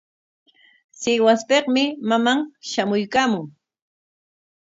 Sihuaspikmi maman shamuykaamun.